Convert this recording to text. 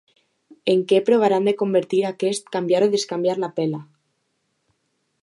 En què provaran de convertir aquest "canviar o descanviar la pela"?